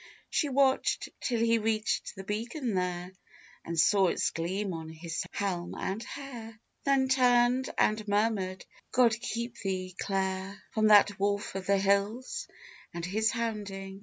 She watched till he reached the beacon there, And saw its gleam on his helm and hair, Then turned and murmured, "God keep thee, Clare! From that wolf of the hills and his hounding."